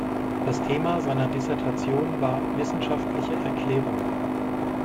Das Thema seiner Dissertation war "Wissenschaftliche Erklärung".